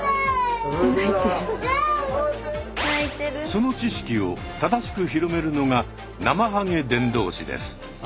その知識を正しく広めるのがナマハゲ伝導士です。